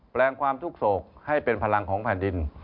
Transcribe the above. แปลงความทุกข์โศกให้เป็นพลังของแผ่นดิน